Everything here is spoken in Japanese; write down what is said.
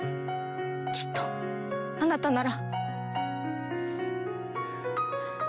きっとあなたなら。